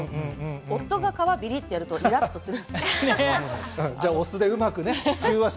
夫が皮をビリってやるとイラッとする。